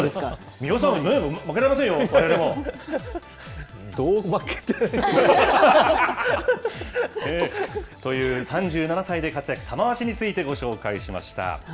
三輪さん、負けられませんよ、わどう負けられない？という３７歳で活躍、玉鷲についてご紹介しました。